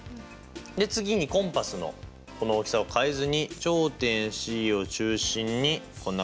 次にコンパスのこの大きさを変えずに頂点Ｃを中心にこんな感じで弧を書いて。